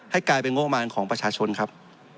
กลายเป็นงบมารของประชาชนครับ